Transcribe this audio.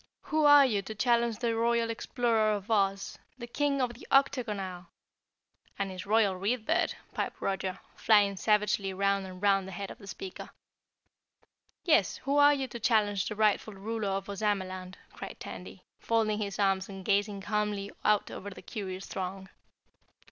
"Who are you to challenge the Royal Explorer of Oz, the King of the Octagon Isle " "And his Royal Read Bird," piped Roger, flying savagely round and round the head of the speaker. "Yes, who are you to challenge the rightful ruler of Ozamaland?" cried Tandy, folding his arms and gazing calmly out over the curious throng.